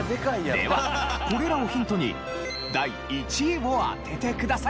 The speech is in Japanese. ではこれらをヒントに第１位を当ててください。